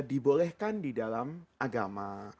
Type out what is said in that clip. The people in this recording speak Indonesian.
dibolehkan di dalam agama